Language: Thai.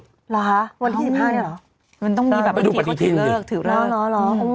วันที่๑๕หรอมันต้องมีแบบวันที่ที่เขาถือเลิก